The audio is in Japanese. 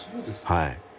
はい。